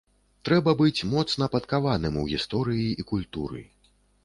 Трэба быць моцна падкаваным у гісторыі і культуры.